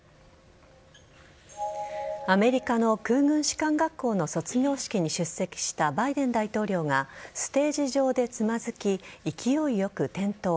アメリカの空軍士官学校の卒業式に出席したバイデン大統領がステージ上でつまずき勢いよく転倒。